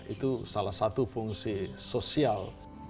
itu salah satu fungsi sosial